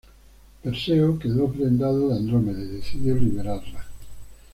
Perseo quedó prendado de Andrómeda y decidió liberarla.